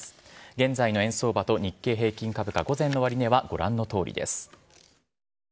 現在の円相場と日経平均株価、午前の終値はご覧のとおりです。